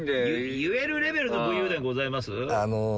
言えるレベルの武勇伝ございます？